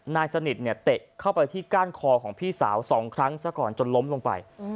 นายสนิทเนี่ยเตะเข้าไปที่ก้านคอของพี่สาว๒ครั้งซะก่อนจนล้มลงไป